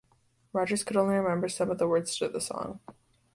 Rodgers could only remember some of the words to the song.